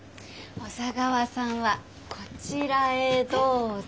小佐川さんはこちらへどうぞ。